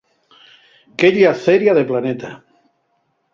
¡Qué llaceria de planeta!